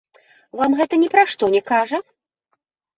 Вам гэта ні пра што не кажа?